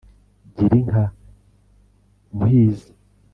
Gira inka Muhizi